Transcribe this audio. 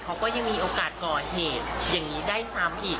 เขาก็ยังมีโอกาสก่อเหตุอย่างนี้ได้ซ้ำอีก